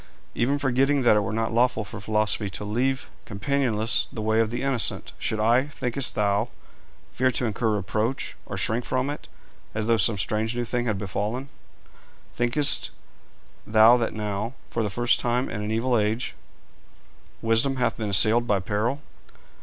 Even forgetting that it were not lawful for Philosophy to leave companionless the way of the innocent, should I, thinkest thou, fear to incur reproach, or shrink from it, as though some strange new thing had befallen? Thinkest thou that now, for the first time in an evil age, Wisdom hath been assailed by peril?